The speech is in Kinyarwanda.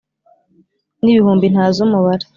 N'ibihumbi ntazi umubare